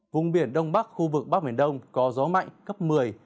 vùng biển đông bắc khu vực bắc biển đông có gió mạnh cấp một mươi một mươi năm